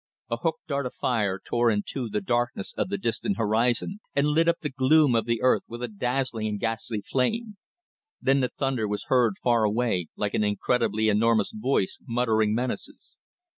A hooked dart of fire tore in two the darkness of the distant horizon and lit up the gloom of the earth with a dazzling and ghastly flame. Then the thunder was heard far away, like an incredibly enormous voice muttering menaces.